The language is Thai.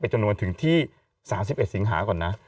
จำนวนถึงที่๓๑สิงหาก่อนนะ